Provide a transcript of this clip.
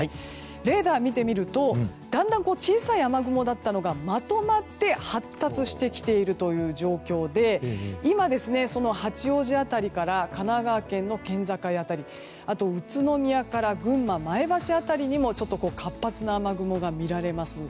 レーダーを見てみるとだんだんと小さい雨雲だったのがまとまって発達してきている状況で今、八王子辺りから神奈川県の県境辺りあと宇都宮から群馬、前橋辺りにも活発な雨雲が見られます。